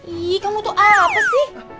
ih kamu tuh apa sih